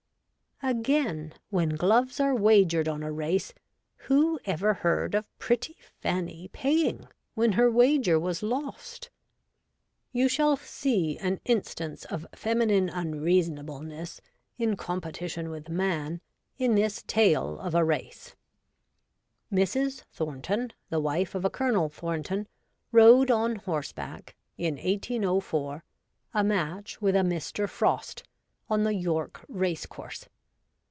Again, when gloves are wagered on a race, who ever heard of pretty Fanny paying when her wager was lost ? You shall see an instance of feminine unreasonableness in competition with man in this tale of a race :— Mrs. Thornton, the wife of a Colonel Thornton, rode on horseback, in 1 804, a match with a Mr. Frost, on the York racecourse.